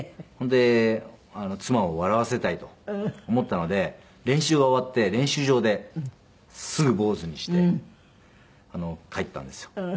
ほんで妻を笑わせたいと思ったので練習が終わって練習場ですぐ坊主にして帰ったんですよ。